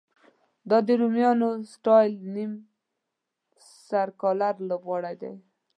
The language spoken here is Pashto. دا د رومیانو سټایل نیم سرکلر لوبغالی دی.